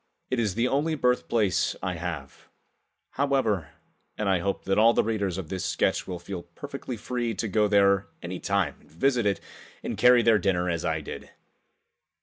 It is the only birthplace I have, however, and I hope that all the readers of this sketch will feel perfectly free to go there any time and visit it and carry their dinner as I did.